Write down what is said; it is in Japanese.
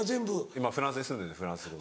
今フランスに住んでるんでフランス語。